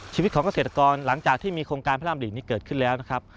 ชีวิตของเกษตรกรหลังจากที่มีโครงการพระรามหลีนี้เกิดขึ้นแล้วนะครับ